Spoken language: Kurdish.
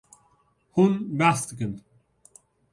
Hûn behs dikin.